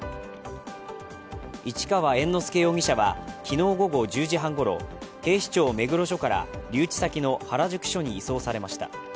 市川猿之助容疑者は昨日午後１０時半ごろ、警視庁目黒署から留置先の原宿署に移送されました。